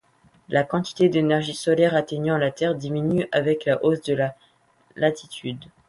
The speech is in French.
La quantité d'énergie solaire atteignant la Terre diminue avec la hausse de la latitude.